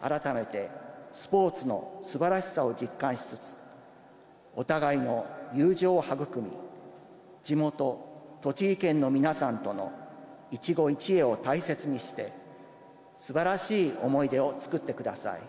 改めてスポーツのすばらしさを実感しつつ、お互いの友情を育み、地元、栃木県の皆さんとの一期一会を大切にして、すばらしい思い出を作ってください。